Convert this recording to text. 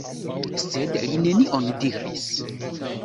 Sed li nenion diris.